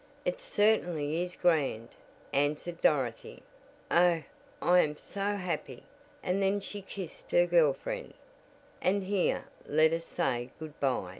"It certainly is grand," answered Dorothy. "Oh, I am so happy!" and then she kissed her girl friend; and here let us say good bye.